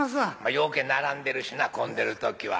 ようけ並んでるしな混んでる時は。